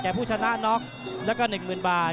ผู้ชนะน็อกแล้วก็๑๐๐๐บาท